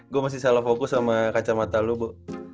gue masih salah fokus sama kacamata lu bu